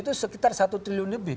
itu sekitar satu triliun lebih